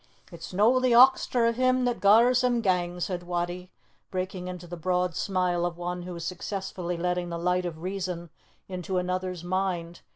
"It's no the oxter of him that gars him gang," said Wattie, breaking into the broad smile of one who is successfully letting the light of reason into another's mind.